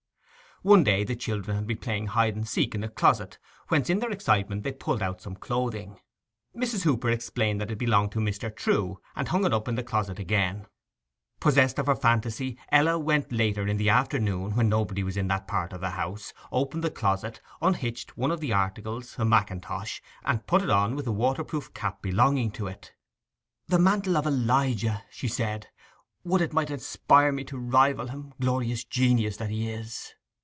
One day the children had been playing hide and seek in a closet, whence, in their excitement, they pulled out some clothing. Mrs. Hooper explained that it belonged to Mr. Trewe, and hung it up in the closet again. Possessed of her fantasy, Ella went later in the afternoon, when nobody was in that part of the house, opened the closet, unhitched one of the articles, a mackintosh, and put it on, with the waterproof cap belonging to it. 'The mantle of Elijah!' she said. 'Would it might inspire me to rival him, glorious genius that he is!